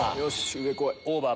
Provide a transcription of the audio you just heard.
オーバー！